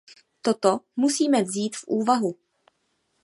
Toto musíme vzít v úvahu.